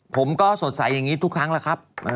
ผมก็สดใสอย่างนี้ทุกครั้งแล้วครับ